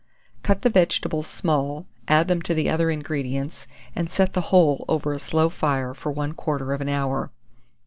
Cut the vegetables small, add them to the other ingredients, and set the whole over a slow fire for 1/4 of an hour.